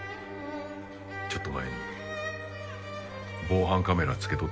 ちょっと前に防犯カメラつけとったんやてえ。